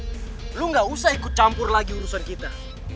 diam lo lo gak usah ikut campur lagi urusan kita